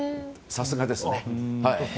さすがですね。